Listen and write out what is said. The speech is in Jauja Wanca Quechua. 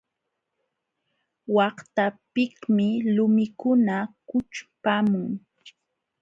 Waqtapiqmi lumikuna kućhpamun.